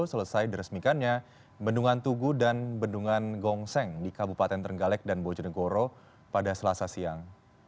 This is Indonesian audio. selesai diresmikannya bendungan tugu dan bendungan gongseng di kabupaten trenggalek dan bojonegoro pada selasa siang